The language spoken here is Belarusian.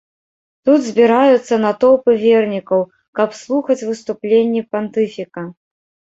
Тут збіраюцца натоўпы вернікаў, каб слухаць выступленні пантыфіка.